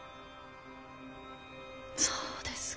そうですか。